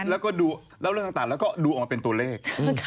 แล้วก็ดูเล่าเรื่องต่างแล้วก็ดูออกมาเป็นตัวเลข